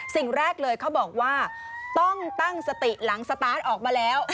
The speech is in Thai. สิ่งแรกเลยเขาบอกว่าต้องตั้งสติหลังสตาร์ทออกมาแล้ว